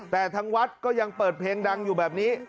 แต่ทางวัดก็ยังเปิดเพลงดังอยู่แบบนี้